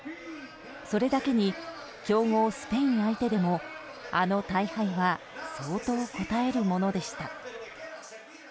それだけに強豪スペイン相手でもあの大敗は相当こたえるものでした。